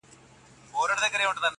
کږدۍ پر خپلو مراندو ولاړه ده.